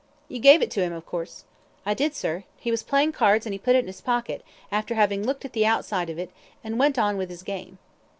"You gave it to him, of course?" "I did, sir. He was playing cards, and he put it in his pocket, after having looked at the outside of it, and went on with his game."